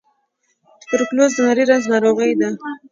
توبرکلوز د نري رنځ ناروغۍ ده.